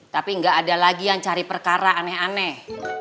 tapi nggak ada lagi yang cari perkara aneh aneh